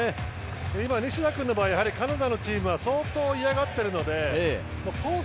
西田君の場合カナダのチームは相当嫌がってるのでコース